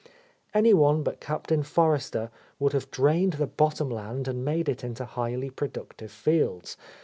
Any one but Captain Forrester would have drained the bottom land and made it into highly productive fields.